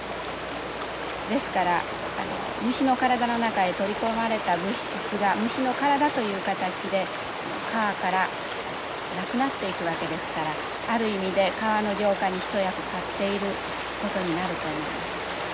ですから虫の体の中へ取り込まれた物質が虫の体という形で川からなくなっていくわけですからある意味で川の浄化に一役買っていることになると思います。